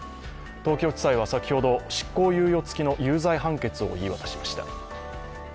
東京地裁は先ほど執行猶予つきの有罪判決を言い渡しました。